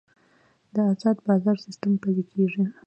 د ازاد بازار سیستم پلی کیږي